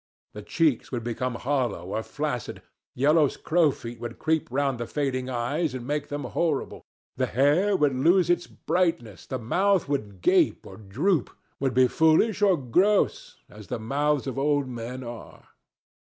The cheeks would become hollow or flaccid. Yellow crow's feet would creep round the fading eyes and make them horrible. The hair would lose its brightness, the mouth would gape or droop, would be foolish or gross, as the mouths of old men are.